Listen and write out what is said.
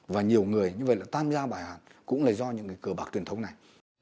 và nhiều người như vậy là tan ra bài hạt cũng là do những cửa bạc tuyển thống này